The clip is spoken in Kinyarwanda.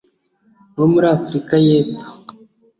wo muri Afurika y’Epfo